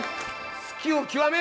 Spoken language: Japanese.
「好きを極める」！